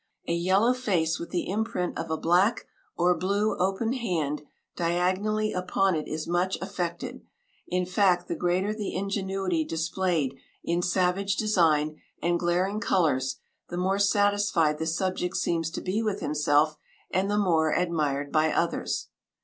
A yellow face with the imprint of a black or blue open hand diagonally upon it is much affected; in fact, the greater the ingenuity displayed in savage design and glaring colors, the more satisfied the subject seems to be with himself and the more admired by others.